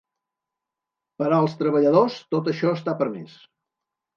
Per als treballadors, tot això està permès.